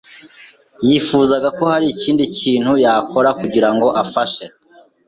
yifuzaga ko hari ikindi kintu yakora kugirango afashe.